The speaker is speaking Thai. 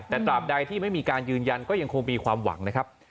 แต่ตราบใดที่ไม่มีการยืนยันก็ยังคงมีความหวังนะครับ